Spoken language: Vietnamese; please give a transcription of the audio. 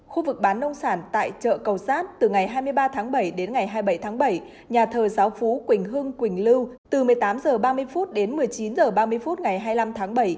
khu vực bán nông sản tại chợ cầu sát từ ngày hai mươi ba tháng bảy đến ngày hai mươi bảy tháng bảy nhà thờ giáo phú quỳnh hưng quỳnh lưu từ một mươi tám h ba mươi đến một mươi chín h ba mươi phút ngày hai mươi năm tháng bảy